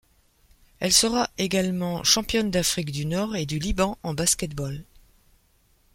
Elle sera également championne d'Afrique du Nord et du Liban en basket-ball.